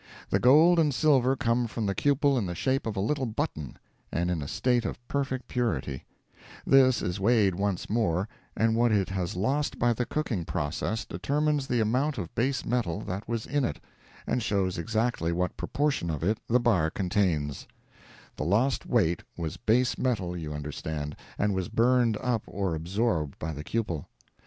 The gold and silver come from the cupel in the shape of a little button, and in a state of perfect purity; this is weighed once more, and what it has lost by the cooking process, determines the amount of base metal that was in it, and shows exactly what proportion of it the bar contains—the lost weight was base metal you understand, and was burned up or absorbed by the cupel.